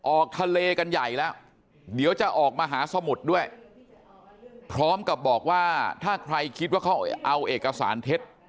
ออกทะเลกันใหญ่แล้วเดี๋ยวจะออกมาหาสมุทรด้วยพร้อมกับบอกว่าถ้าใครคิดว่าเขาเอาเอกสารเท็จ